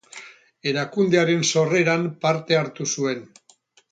Erakundearen sorreran parte hartu zuen.